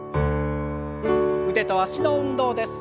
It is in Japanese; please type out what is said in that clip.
腕と脚の運動です。